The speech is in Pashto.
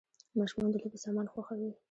ماشومان د لوبو سامان خوښوي .